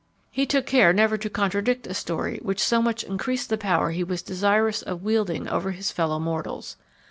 He took good care never to contradict a story which so much increased the power he was desirous of wielding over his fellow mortals.